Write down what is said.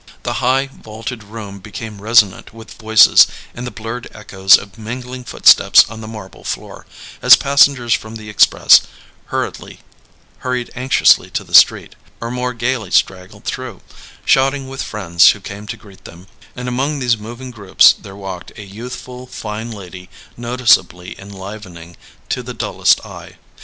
The high, vaulted room became resonant with voices and the blurred echoes of mingling footsteps on the marble floor, as passengers from the express hurried anxiously to the street, or more gaily straggled through, shouting with friends who came to greet them; and among these moving groups there walked a youthful fine lady noticeably enlivening to the dullest eye.